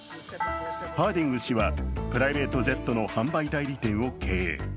ハーディング氏はプライベートジェットの販売店を経営。